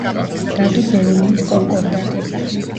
დადო ბოლონიის კონკორდატი.